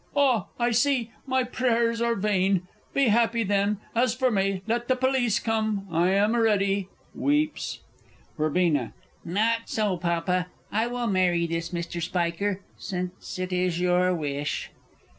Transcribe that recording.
Ah, I see my prayers are vain ... be happy, then. As for me, let the police come I am ready! [Weeps. Verb. Not so, Papa; I will marry this Mr. Spiker, since it is your wish.